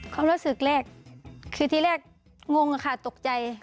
ความรู้สึกแรกคือที่แรกงงค่ะตกใจ